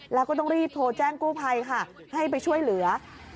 แล้วก็ต้องรีบโทรแจ้งกู้ภัยค่ะให้ไปช่วยเหลือ